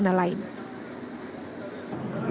jenderal sudirman yang dianggap pemimpin